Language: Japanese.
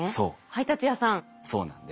配達屋さん。